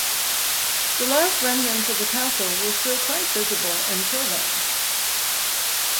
The last remnants of the castle were still quite visible until then.